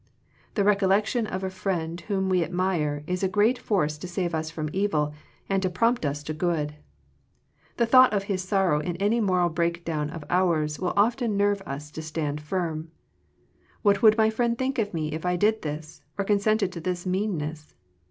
The recollection of a friend whom we admire is a great force to save us from evil, and to prompt us to good. The thought of his sorrow in any moral break down of ours will often nerve us to stand firm. What would my friend think of me, if I did this, or consented to this meanness